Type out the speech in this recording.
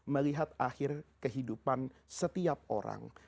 melihat akhir kehidupan setiap orang